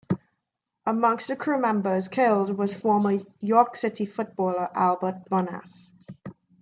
Amongst the crew members killed was former York City footballer Albert Bonass.